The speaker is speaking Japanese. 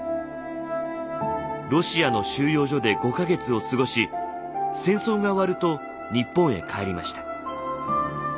ロシアの収容所で５か月を過ごし戦争が終わると日本へ帰りました。